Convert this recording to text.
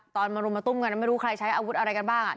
มารุมมาตุ้มกันไม่รู้ใครใช้อาวุธอะไรกันบ้าง